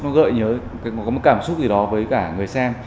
nó gợi nhớ có một cảm xúc gì đó với cả người xem